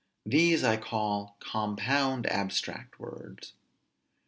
These I call compound abstract words.